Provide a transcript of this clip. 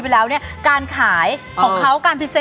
ว่าถามตัวอาย